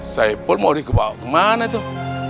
saipol mau ikut january kemana tuh